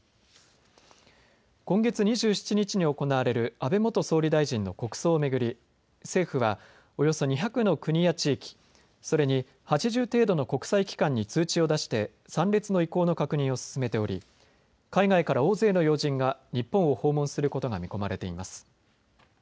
今月２７日に行われる安倍元総理大臣の国葬を巡り政府はおよそ２００の国や地域、それに８０程度の国際機関に通知を出して参列の意向の確認を進めており海外から大勢の要人が日本を訪問することが見込まれています。